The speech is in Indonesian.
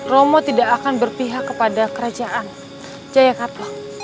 romo tidak akan berpihak kepada kerajaan jaya katuang